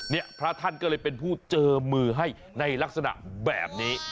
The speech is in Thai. พระท่านก็เลยเป็นผู้เจอมือให้ในลักษณะแบบนี้